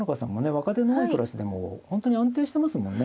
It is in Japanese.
若手の多いクラスでも本当に安定してますもんね。